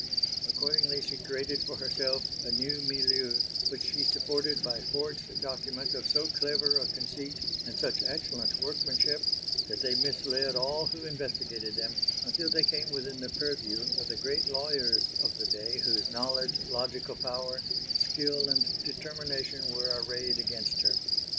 Accordingly she created for herself a new milieu which she supported by forged documents of so clever a conceit and such excellent workmanship, that they misled all who investigated them, until they came within the purview of the great lawyers of the day whose knowledge, logical power, skill and determination were arrayed against her.